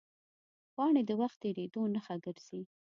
پاڼې د وخت تېرېدو نښه ګرځي